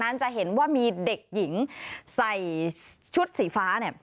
เยี่ยมจะเห็นว่ามีเด็กหญิงใส่ชุดสีฟ้านาน่ะ